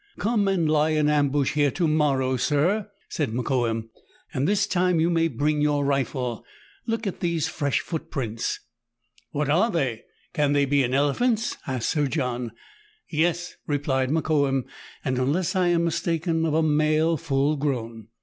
Come and lie in ambush here to morrow, sir," said Mokoum, " and this time you may bring your rifle. Look at these fresh footprints." " What are they ? Can they be an elephant's?" asked Sir John. "Yes," replied Mokoum, "and, unless I am mistaken, of a male full grown."